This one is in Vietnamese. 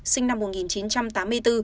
sinh năm một nghìn chín trăm tám mươi bốn